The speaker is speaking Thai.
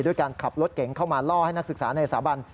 ด้วยการขับรถเก๋งเข้ามาล่อให้นักศึกษาในสถาบัน